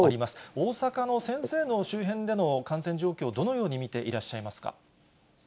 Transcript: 大阪の先生の周辺での感染状況、どのように見ていらっしゃいますか。